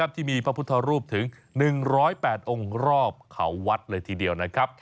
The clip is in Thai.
ที่มีพระพุทธรูปถึง๑๐๘องค์รอบเขาวัดเลยทีเดียวนะครับ